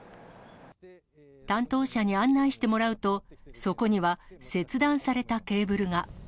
担当者に案内してもらうと、そこには切断されたケーブルが。